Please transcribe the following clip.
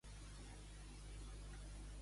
En què es transformava Caer?